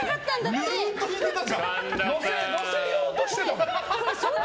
載せようとしてたもん。